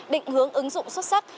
định hướng ứng dụng xuất sắc